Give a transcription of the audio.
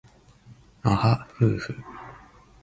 あはふうふ